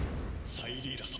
サイリーラ様！